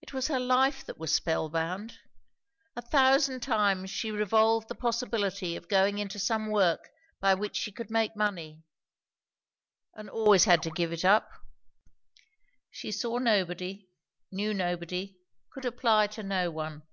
It was her life that was spell bound. A thousand times she revolved the possibility of going into some work by which she could make money; and always had to give it up. She saw nobody, knew nobody, could apply to no one.